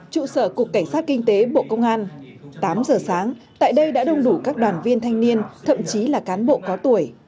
trụ sở cục cảnh sát kinh tế bộ công an tám giờ sáng tại đây đã đông đủ các đoàn viên thanh niên thậm chí là cán bộ có tuổi